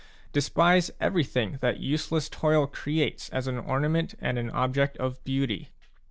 Despise everything that useless toil creates as an ornament and an object of beauty.